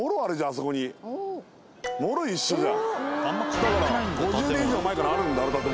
だから５０年以上前からあるんだあの建物。